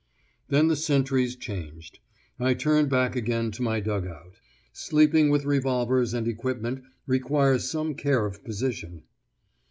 Then, the sentries changed, I turn back again to my dug out. Sleeping with revolvers and equipment requires some care of position.